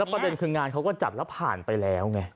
ประเด็นคืองานเขาก็จัดแล้วผ่านไปแล้วไง